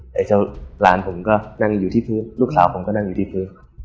แต่เจ้าหลานผมก็นั่งอยู่ที่พื้นลูกสาวผมก็นั่งอยู่ที่พื้น